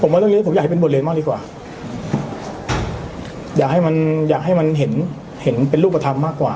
ว่าเรื่องนี้ผมอยากให้เป็นบทเรียนมากดีกว่าอยากให้มันอยากให้มันเห็นเห็นเป็นรูปธรรมมากกว่า